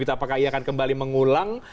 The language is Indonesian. apakah ia akan kembali mengulang